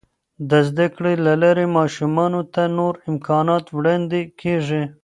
د زده کړې له لارې، ماشومانو ته نور امکانات وړاندې کیږي.